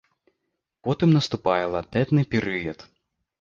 Потым наступае латэнтны перыяд.